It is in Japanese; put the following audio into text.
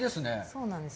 そうなんです。